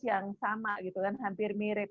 yang sama gitu kan hampir mirip